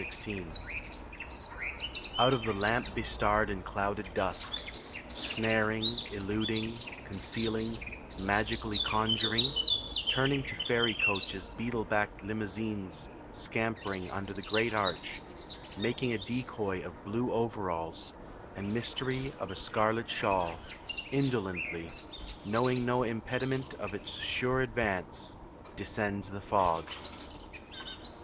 THE FOG Out of the lamp bestarred and clouded dusk Snaring, illuding, concealing, Magically conjuring Turning to fairy coaches Beetle backed limousines Scampering under the great Arch Making a decoy of blue overalls And mystery of a scarlet shawl Indolently Knowing no impediment of its sure advance Descends the fog.